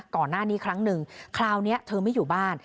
ก่อนหน้านี้ครั้งหนึ่งคราวนี้เธอไม่อยู่บ้าน